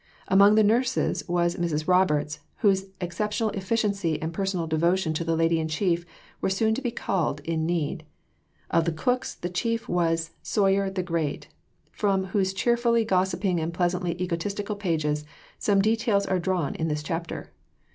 Among the nurses was Mrs. Roberts, whose exceptional efficiency and personal devotion to the Lady in Chief were soon to be called in need. Of the cooks, the chief was Soyer the Great, from whose cheerfully gossiping and pleasantly egotistical pages some details are drawn in this chapter.